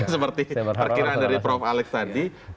seperti perkiraan dari prof alex tadi